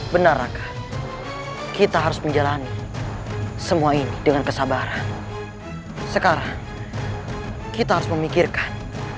benarkah kita harus menjalani semua ini dengan kesabaran sekarang kita harus memikirkan